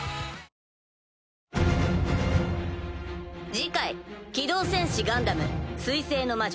次回「機動戦士ガンダム水星の魔女」